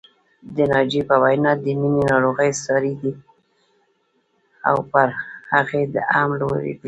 د ناجيې په وینا د مینې ناروغي ساري ده او پر هغې هم لوېدلې